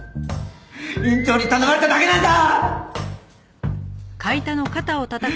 院長に頼まれただけなんだ！